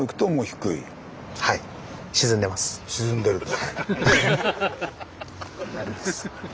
沈んでると。